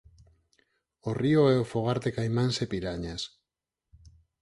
O río é o fogar de caimáns e pirañas.